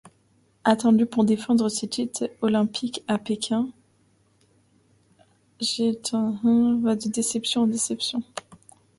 Attendue pour défendre ses titres olympiques à Pékin, Jędrzejczak va de déception en déception.